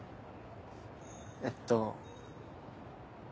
えっと。